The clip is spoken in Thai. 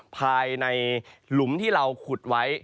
ภายในหลุมที่เราขุดไว้